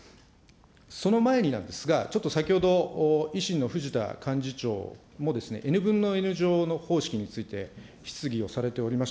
その前になんですが、ちょっと先ほど、維新の藤田幹事長もＮ分のＮ乗方式について、質疑をされておりました。